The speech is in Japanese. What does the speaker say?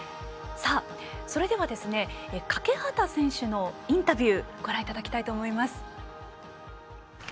それでは欠端選手のインタビューご覧いただきます。